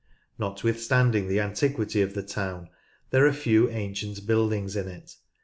Notwithstanding the antiquity of the town, there are few ancient buildings in it.